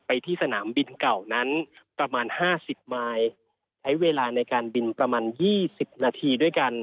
ที่สนามบินเก่านั้นประมาณห้าสิบไม้ใช้เวลาในการบินประมาณ๒๐นาทีด้วยกัน